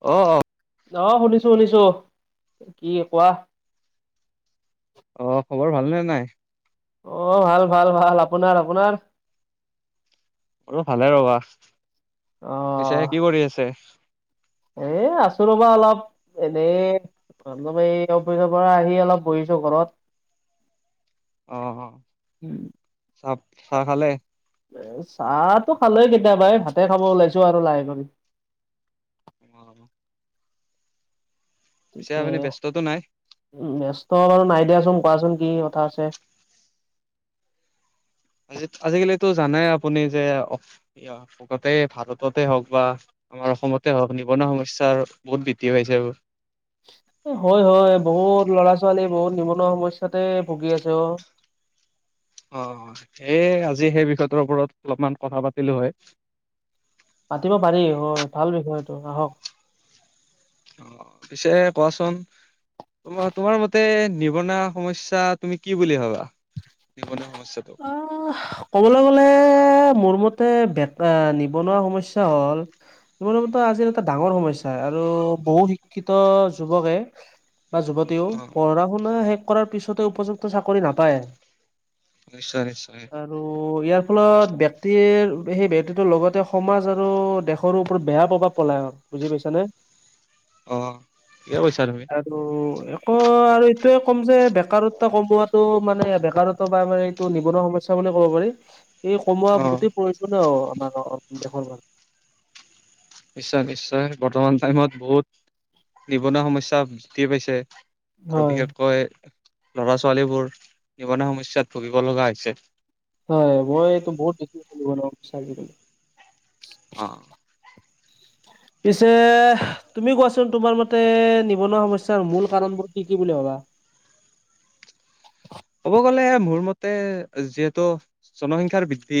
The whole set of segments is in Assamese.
অহ', অহ'। অহ, শুনিছোঁ শুনিছোঁ কি কোৱা? অহ, খবৰ ভালনে নাই? অহ, ভাল-ভাল-ভাল আপোনাৰ-আপোনাৰ? মোৰো ভালে ৰবা। অহ'। পিছে কি কৰি আছে? এ আছো ৰ'বা অলপ এনেই। [unintelligible] এই অফিচৰ পৰা আহি অলপ বহিছোঁ ঘৰত। অহ, চাপ-চাহ খালে? এ চাহতো খালোৱেই কেতিয়াবাই, ভাতে খাব ওলাইছোঁ আৰু লাহে কৰি। তোমাৰ পিছে তাতে, আপুনি ব্যস্ততো নাই ব্যস্ত বাৰু নাই দিয়াচোন, কোৱাচোন কি কথা আছে? আজি-আজিকালিতো জানাই আপুনি যে এই [unintelligible] ভাৰততে হওঁক বা আমাৰ অসমতে হওঁক, নিবনুৱা সমস্যাৰ বহুত বৃদ্ধি পাইছে আৰু। হয়, হয়। বহুত ল'ৰা-ছোৱালী বহুত নিবনুৱা সমস্যাতে ভুগি আছে অহ। অহ, সেইয়ে আজি সেই বিষয়টোৰ ওপৰত অলপমান কথা পাতিলোঁ হয়। পাতিব পাৰি হয় ভাল বিষয় এইটো আহক। অহ, পিছে কোৱাচোন? তোমাৰ-তোমাৰ মতে নিবনুৱা সমস্যা তুমি কি বুলি ভাব? নিবনুৱা সমস্যাটো। অহ। ক'বলৈ গ'লে মোৰ মতে বেতা নিবনুৱা সমস্যাটো হ'ল মোৰ মতে আজিৰ এটা ডাঙৰ সমস্যা আৰু বহু শিক্ষিত যুৱকে বা যুৱতীও অ পঢ়া শুনা শেষ কৰাৰ পিছতে উপযুক্ত চাকৰি নাপায়। নিশ্চয়, নিশ্চয়। আৰু ইয়াৰ ফলত ব্যক্তিৰ সেই ব্যৰ্থটোৰ লগতে সমাজ আৰু দেশ দেশৰ ওপৰত বেয়া প্ৰভাৱ পেলায় আৰু বুজি পাইছানে? অহ, ঠিকে কৈছা তুমি। আৰু একো আৰু এইটোয়ে কম যে বেকাৰত্ব কমোৱাটো মানে বেকাৰত্ব বা মানে টো নিবনুৱা সমস্যা বুলি ক'ব পাৰি। এই কমোৱা অ গোটেই প্ৰয়োজনীয় আমাৰ দেশৰ কাৰণে। নিশ্চয়, নিশ্চয়। বৰ্তমান টাইমত বহুত নিবনুৱা সমস্যা বৃদ্ধি পাইছে। আৰু হয় বিশেষকৈ ল'ৰা-ছোৱালীবোৰ নিবনুৱা সমস্যাত ভুগিব লগা হৈছে। হয়, মই এইটো বহুত [unintelligible] অহ। পিছে তুমি কোৱাচোন তোমাৰ মতে নিবনুৱা সমস্যাৰ মূল কাৰণবোৰ কি কি বুলি ভাবা? ক'ব গ'লে মোৰ মতে যিহেতু জনসংখ্যাৰ বৃদ্ধি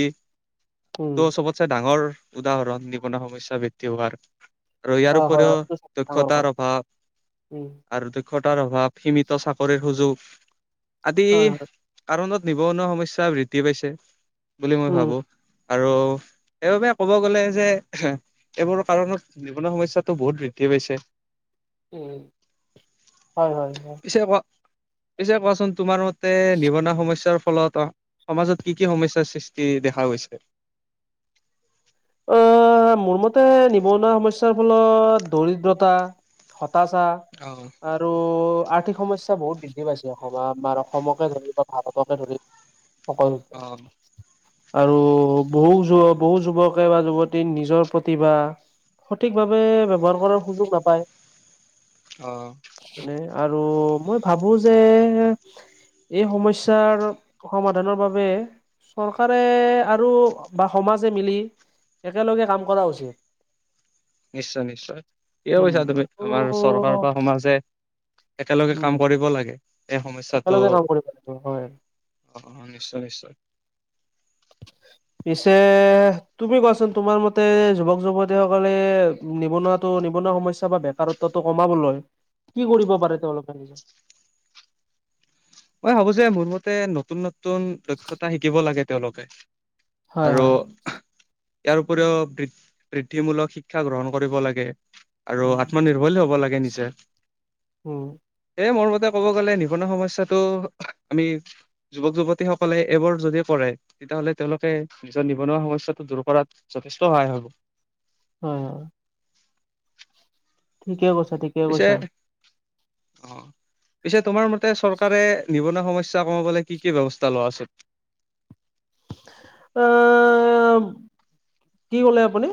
উম। ত' চবত ডাঙৰ উদাহৰণ নিবনুৱাসমস্যা বৃদ্ধি হোৱাৰ। আৰু অ ইয়াৰ হয় উপৰিও হয়, ডাঙৰ দক্ষতাৰ কৰা অভাৱ। উম। আৰু দক্ষতাৰ অভাৱ, সীমিত চাকৰিৰ সুযোগ। আদি হয় হয় কাৰণত নিবনুৱা সমস্যা বৃদ্ধি পাইছে, বুলি মই উম। ভাবোঁ। আৰু সেইবাবে ক'ব গ'লে যে এইবোৰৰ কাৰণত নিবনুৱা সমস্যাতো বহুত বৃদ্ধি পাইছে। উম', হয়, হয়, হয়। পিছে কোৱা, পিছে কোৱাচোন তোমাৰ মতে নিবনুৱা সমস্যাৰ ফলত অ সমাজত কি কি সমস্যাৰ সৃষ্টি দেখা গৈ হৈছে? অহ, মোৰ মতে নিবনুৱা সমস্যাৰ ফলত দৰিদ্ৰতা হতাচাৰ। অ, আৰু আৰ্থিক সমস্যা বহুত বৃদ্ধি পাইছে, অসমত আমাৰ অসমকে ধৰি বা ভাৰতকে ধৰি। অকল। অ, আৰু বহু যুৱ, বহু যুৱকে বা যুৱতী নিজৰ প্ৰতিভা সঠিকভাৱে ব্যৱহাৰ কৰাৰ সুযোগ নাপায়। অ, মানে আৰু মই ভাবো যে। এই সমস্যাৰ, সমাধানৰ বাবে চৰকাৰে আৰু বা সমাজে মিলি একেলগে কাম কৰা হৈছে। নিশ্চয় নিশ্চয়, কিয় উম কৈছা তুমি আৰু আমাৰ চৰকাৰ বা সমাজে একেলগে উম কাম কৰিব লাগে এই সমস্যাটো একেলগে কাম কৰিব লাগিব হয় অ, অ, নিশ্চয় নিশ্চয়। [unintelligible] পিছে তুমি কোৱাচোন, তোমাৰ মতে যুৱক যুৱতী সকলে। নিবনুৱাটো, নিবনুৱা সমস্যা বা বেকাৰত্বটো কমাবলৈ, কি কৰিব পাৰে তেওঁলোকে। মই ভাবো যে, মোৰ মতে নতুন নতুন দক্ষতা শিকিব লাগে তেওঁলোকে। হয় আৰু, হয় ইয়াৰ উপৰিও বৃদ্ধি মূলক শিক্ষা গ্ৰহণ কৰিব লাগে আৰু আত্মনিৰ্ভৰশীল ধৰি লব লাগে নিজে। উম, এ, মোৰ মতে ক'ব গ'লে নিবনুৱাৰা সমস্যাাতটো আমি যুৱক যুৱতীসকলে এইবোৰ যদি কৰে। তেতিয়াহ'লে তেওঁলোকে নিজৰ নিবনুৱা সমস্যাটো দূৰ কৰাত যথেষ্ট সহায় হ'ব। হয়, হয়। ঠিকে কৈছা‌ ঠিক পিছে অ, পিছে তোমাৰ মতে চৰকাৰে নিব সমস্যা কমাবলে কি কি ব্যৱস্থা লোৱা উচিত? এ, কি ক'লে আপুনি?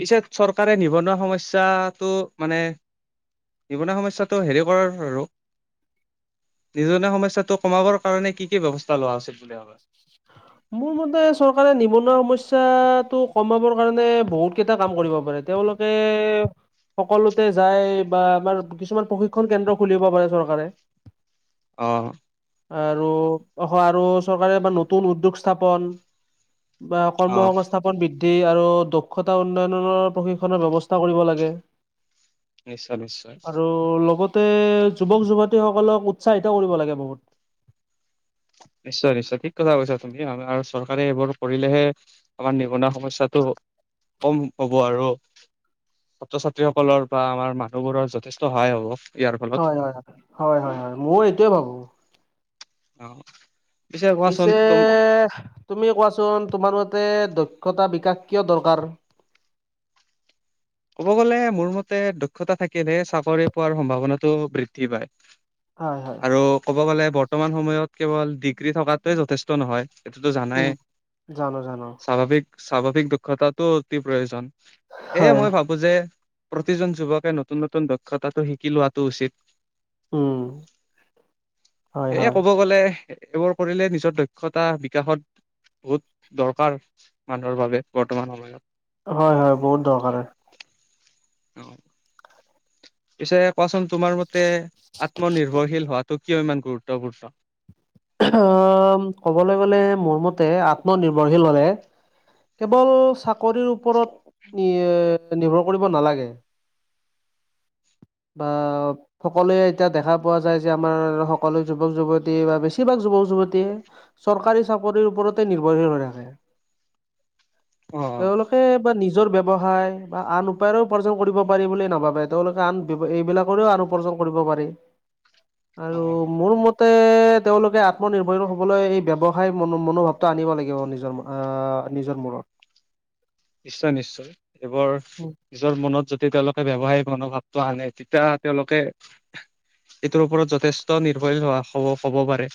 পিছে চৰকাৰে নিবনুৱা সমস্যাটো মানে নিবনুৱা সমস্যাটো হেৰি কৰাৰ আৰু নিজনুৱা সমস্যাটো কমাবৰ কাৰণে কি ব্যৱস্থা লোৱা হৈছিল বুলি ভাবা? [inaudible] মোৰ মতে চৰকাৰে নিবনুৱা সমস্যাটো কমাবৰ কাৰণে বহুত কেইটা কাম কৰিব পাৰে, তেওঁলোক এ, সকলোতে যায় বা আমাৰ কিছুমান প্ৰশিক্ষণ কেন্দ্ৰ খুলিব পাৰে চৰকাৰে। অ, আৰু অসহাৰো চৰকাৰে নতুন উদ্যোগ স্থাপন। বা অ কৰ্মসংস্থাপ বৃদ্ধি আৰু দক্ষতা উন্নয়নৰ প্ৰশিক্ষণৰ ব্যৱস্থা কৰিব লাগে। নিশ্চয় নিশ্চয়। ত, লগতে যুৱক যুৱতী সকলক উৎসাহিত কৰিব লাগে বহুত। নিশ্চয় নিশ্চয়, কি কথা কৈছা তুমি, আমাৰ চৰকাৰে এইবোৰ কৰিলেহে আমাৰ নিবনুৱা সমস্যা টো কম হ'ব আৰু। ছাত্ৰ-ছাত্ৰীসকলৰ বা আমাৰ মানুহবোৰৰ যথেষ্ট সহায় হ'ব। ইয়াৰ ফলত। হয় হয় হয় হয় হয় হয়, মোৰ এইটোয়ে ভাবো। অ, কোৱাচোন পিছে তুম তুমি কোৱাচোন, তোমাৰ মতে দক্ষতা বিকাশ কিয় দৰকাৰ? ক'ব গ'লে, মোৰ মতে দক্ষতা থাকিলেহে চাকৰি পোৱাৰ সম্ভাৱনাটো বৃদ্ধি পায়। হয় হয় আৰু ক'ব গ'লে বৰ্তমান সময়ত কেৱল ডিগ্ৰী থকাতোৱে যথেষ্ট নহয়। এইটোতো জানায়ে, উম জানো জানো স্বাভাৱিক। স্বাভাৱিক দক্ষতাটো অতি প্ৰয়োজন। সেয়ে হয় মই ভাবোঁ। বুজে, প্ৰতিজন যুৱকে নতুন নতুন দক্ষতাটো শিকি লোৱাটো উচিত। উম্, হয় সেয়ে হয়। ক'ব গ'লে, এইবোৰ কৰিলে নিজৰ দক্ষতা বিকাশত। বহুত দৰকাৰ, মানুহৰ বাবে বৰ্তমান সময়ত। হয় হয়, বহুত দৰকাৰ। অ', পিছে কোৱাচোন তোমাৰ মতে, আত্মনিৰ্ভৰশীল হোৱাটো কিয় ইমান গুৰুত্বপূৰ্ণ। আহ্ ক'বলৈ গ'লে মোৰ মতে আত্মনিৰ্ভৰশীল হ'লে। কেৱল চাকৰিৰ ওপৰত নিৰ্ভৰ কৰিব নালাগে। বা, সকলোৱে এতিয়া দেখা পোৱা যায় যে, আমাৰ সকলোৱে যুৱক-যুৱতী বা বেছিভাগ যুৱক-যুৱতীয়ে। চৰকাৰী চাকৰিৰ ওপৰতে নিৰ্ভৰশীল হৈ থাকে। অ তেওঁলোকে। বা নিজৰ ব্যৱসায় বা আন উপায়েৰেও উপাৰ্জন কৰিব পাৰি বুলি নাভাবে। তেওঁলোকে আন এইবিলাকৰেও আন উপাৰ্জন কৰিব পাৰি, অ আৰু মোৰ মতে- তেওঁলোকে আত্মনিৰ্ভৰশীল হ'বলৈ এই ব্যৱসায় মনোভাৱটো আনিব লাগিব, নিজৰ আহ নিজৰ ওপৰত। নিশ্চয় নিশ্চয়, এইবোৰ- উ নিজৰ মনত যদি তেওঁলোকে ব্যৱসায়িক মনোভাৱটো আনে, তেতিয়া তেওঁলোকে এইটোৰ ওপৰত যথেষ্ট নিৰ্ভৰীল হোৱা হ'ব, হ'ব পাৰে।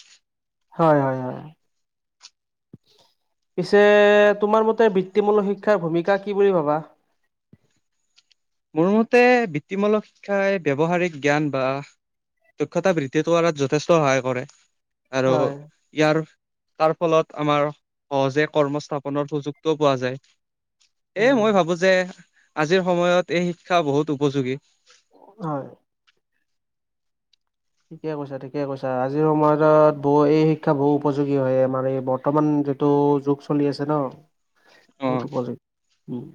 হয় হয়। হয় পিছে তোমাৰ মতে বৃত্তিমূলক শিক্ষাৰ ভূমিকা কি বুলি ভাবা। মোৰ মতে বৃত্তিমূলক শিক্ষাই ব্যৱহাৰিক জ্ঞান বা। দক্ষতা বৃদ্ধি কৰাত যথেষ্ট সহায় কৰে। আৰু হয়। ইয়াৰ, তাৰ ফলত আমাৰ সহজে কৰ্মস্থাপনৰ সুযোগটোও পোৱা যায়। এ উম, মই ভাবোঁ যে আজিৰ সময়ত এই শিক্ষা বহুত উপযোগী। হয়। ঠিকে কৈছা, ঠিকে কৈছা। আজিৰ সময়ত বহু এই শিক্ষা বহু উপযোগী হয়। আমাৰ এই বৰ্তমান যিটো যুগ চলি আছে ন। অ বহুত উপযোগী, উম্।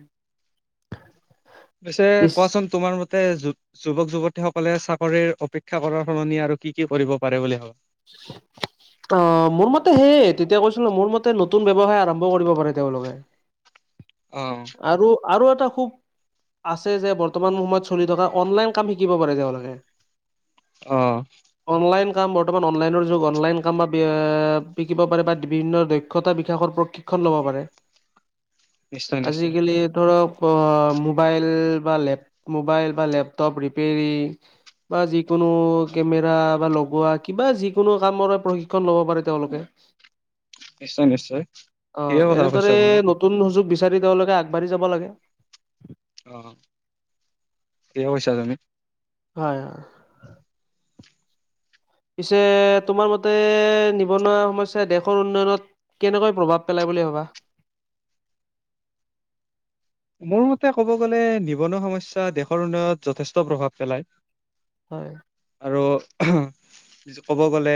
পিছে, কোৱাচোন তোমাৰ মতে যুৱক-যুৱতী সকলে চাকৰিৰ অপেক্ষা কৰাৰ সলনি আৰু কি কি কৰিব পাৰে বুলি ভাবা। [inaudible] অ', মোৰ মতে সেইয়ে। তেতিয়া কৈছিলোঁ মোৰ মতে নতুন ব্যৱসায় আৰম্ভ কৰিব পাৰে তেওঁলোকে। অ', আৰু আৰু এটা খুব, আছে যে বৰ্তমান সময়ত চলি থকা- অনলাইন কাম শিকিব পাৰে তেওঁলোকে। অ', অনলাইন কাম, বৰ্তমান অনলাইনৰ যুগ অনলাইন কাম বা শিকিব পাৰে বা বিভিন্ন দক্ষ- দক্ষতা বিকাশৰ প্ৰশিক্ষণ ল'ব পাৰে। নিশ্চয় নিশ্চয় আজিকালি ধৰক- অ', মোবাইল বা লেপ, মোবাইল বা লেপটপ ৰিপেৰীং। বা যিকোনো কেমেৰা বা লগোৱা, কিবা যিকোনো কামৰে প্ৰশিক্ষণ ল'ব পাৰে তেওঁলোকে। নিশ্চয় নিশ্চয়, অ' ঠিকে কথা কৈছা এনেদৰে তুমি। নতুন সুজোগ বিচাৰি তেওঁলোক আগবাঢ়ি যাব লাগে। অ' ঠিকে কৈছা তুমি। হয়, হয়। পিছে তোমাৰ মতে নিবনুৱা সমস্যাই দেশৰ উন্নয়নত কেনেকৈ প্ৰভাৱ পেলাই বুলি ভাবা? মোৰ মতে ক'ব গ'লে নিবনুৱা সমস্যাই দেশৰ উন্নয়নত যথেষ্ট প্ৰভাৱ পেলায়। হয়। আৰু ক'ব গ'লে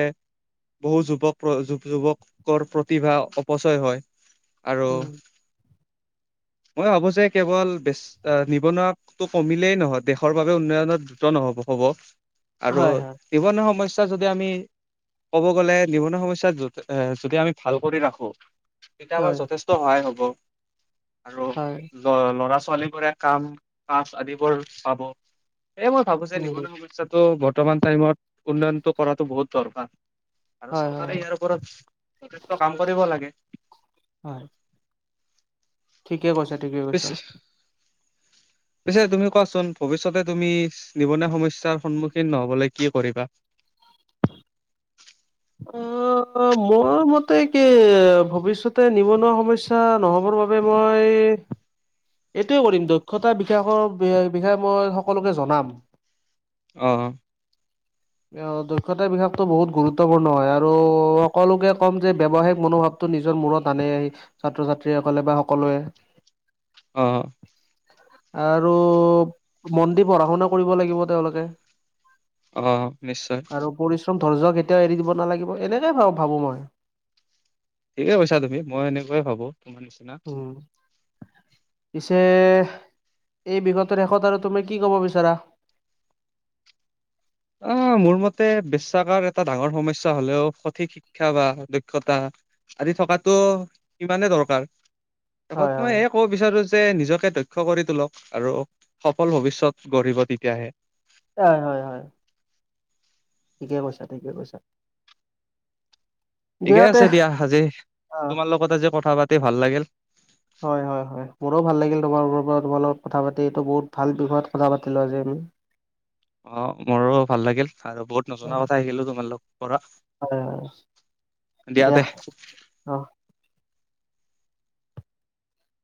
বহু যুৱক যুৱ যুৱকৰ প্ৰতিভা অপচয় হয়। আৰু উম, মই ভাবো যে কেৱল বেছ অ' নিবনুৱাটো কমিলেই নহয় দেশৰ বাবে উন্নয়নত দ্ৰুত নহব হব আৰু হয় হয়, নিবনুৱা সমস্যা যদি আমি ক'ব গ'লে নিবনুৱা সমস্যাত যদি এ যদি আমি ভাল কৰি ৰাখো তেতিয়া আমাৰ হয় যথেষ্ট সহায় হ'ব। আৰু হয়, ল ল'ৰা ছোৱালী বোৰে কাম কাজ আদিবোৰ পাব। এ মই ভাবো যে উম, নিবনুৱা সমস্যটো বৰ্তমান টাইমত উন্নয়নটো কৰাতো বহুত দৰকাৰ। আৰু হয় হয় চৰকাৰে হয় ইয়াৰ ওপৰত যথেষ্ট কাম কৰিব লাগে। অ'। ঠিকে কৈছে, ঠিকে কৈছ। পিছে [unintelligible] পিছে তুমি কোৱাচোন ভৱিষ্যতে তুমি নিবনুৱা সমস্যাৰ সন্মুখীন নহবলৈ কি কৰিবা? অ' মোৰ মতে কি ভৱিষ্যতে নিবনুৱা সমস্যা স্যা নহ'বৰ বাবে মই এইটোৱে কৰিম দক্ষ্যতাৰ বিকাশৰ বিষয়ে মই সকলোকে জনাম। অ'। দক্ষ্যতাৰ বিকাশতো বহুত গুৰুত্ব গুৰুত্বপূৰ্ণ হয়, আৰু সকলোকে ক'ম যে ব্যৱসায়িক মনোভাৱটো নিজৰ মূৰত আনে ছাত্ৰ ছাত্ৰীসকলে বা সকলোৱে অ'। আৰু মন দি পঢ়া শুনা কৰিব লাগিব তেওঁলোকে। অ' নিশ্চয়। আৰু পৰিশ্ৰম ধৈৰ্য কেতিয়াও এৰি দিব নালাগিব, এনেকে ভাব ভাবো মই। ঠিকে কৈছা তুমি, মই এনেকুয়াই ভাবো। উম। পিছে এই বিষয়টোৰ শেষত আৰু তুমি কি ক'ব বিচাৰা? অ' মোৰ মতে পেচাকাৰ এটা ডাঙৰ সমস্যা হ'লেও সঠিক খা বা দক্ষতা আদি থকাটো সমানে দৰকাৰ। শেষত হয় হয় মই এক ক'ব বিচাৰো যে নিজকে দক্ষ্য কৰি তোলক আৰু সফল ভৱিষ্যত গঢ়িব তেতিয়াহে। হয়, হয়, হয়। ঠিকে কৈছা, ঠিকে কৈছা। ঠিকেই আছে দিয়া, আজি অ তোমাৰ লগত আজি কথা পাতি ভাল লাগিল। হয়, হয়, হয়। হয় মোৰো ভাল লাগিল তোমাৰ ৰ পৰা তোমাৰ লগত কথা পাতি এইটো বহুত ভাল বিয়ত কথা পাতিলো আজি আমি। অ' মোৰো ভাল লাগিল আৰু বহুত নজনা কথা শিকিলো তোমালোকৰ পৰা। উ [unintelligible] এ দিয়য়াতে। অহ।